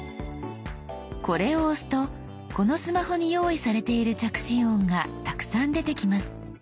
これを押すとこのスマホに用意されている着信音がたくさん出てきます。